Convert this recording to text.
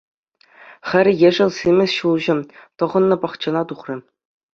Хӗр ешӗл симӗс ҫулҫӑ тӑхӑннӑ пахчана тухрӗ.